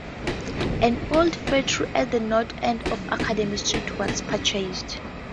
An old factory at the north end of Academy Street was purchased.